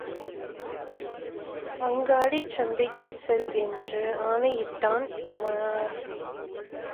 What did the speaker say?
அங்காடிச் சந்தைக்கு செல் என்று ஆணையிட்டான் உமார்.